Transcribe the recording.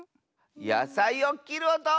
やさいをきるおと！